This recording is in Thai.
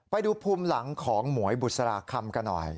ไปดูภูมิหลังของหมวยบุษราคำกันหน่อย